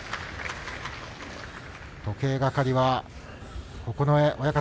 時計係は九重親方。